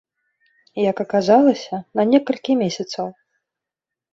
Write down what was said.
Як аказалася, на некалькі месяцаў.